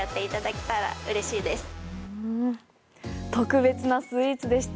特別なスイーツでした。